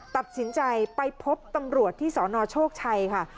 ตัดสินใจไปพบตำรวจที่สนโชคชัยค่ะ